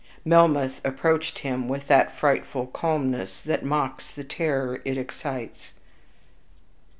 Melmoth approached him with that frightful calmness that mocks the terror it excites.